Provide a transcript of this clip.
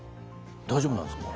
大丈夫なんですか？